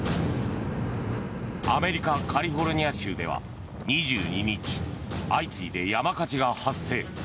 アメリカ・カリフォルニア州では２２日相次いで山火事が発生。